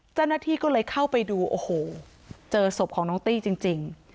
เจ้าหน้าที่ก็เลยเข้าไปดูโอ้โหเจอศพของน้องตี้จริง